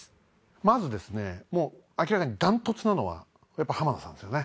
まず明らかに断トツなのは浜田さんですよね。